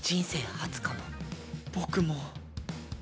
僕も。